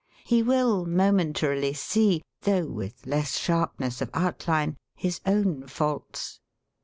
He will momentarily see, though with less sharpness of outline, his own faults.